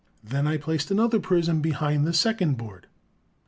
Then, I placed another prism behind the second board."